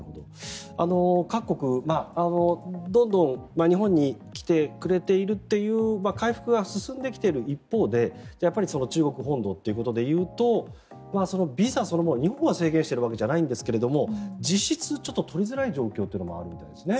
各国、どんどん日本に来てくれているっていう回復が進んでいる一方で中国本土ということで言うとビザそのものは日本が制限しているわけじゃないんですが実質取りづらい状況というのもあるんですね。